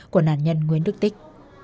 của nạn nhân nguyễn đức tích